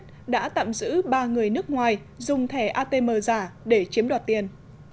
đã tạm giữ ba người nước ngoài dùng thẻ atm giả để chiếm đoạt tiền